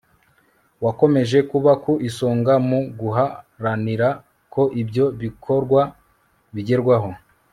wakomeje kuba ku isonga mu guharanira ko ibyo bikorwa bigerwaho